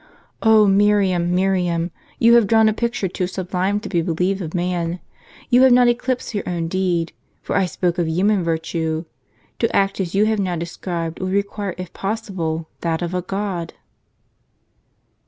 " 0 Miriam, Miriam, you have drawn a picture too sublime to be believed of man. You have not eclipsed your own deed, for I spoke of human virtue. To act as you have now described would require, if possible, that of a God